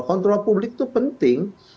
kontrol publik itu penting